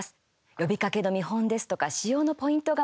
呼びかけの見本ですとか使用のポイントが